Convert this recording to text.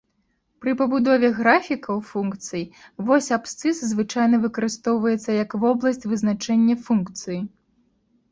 Пры пабудове графікаў функцый, вось абсцыс звычайна выкарыстоўваецца як вобласць вызначэння функцыі.